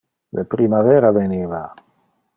Le primavera veniva.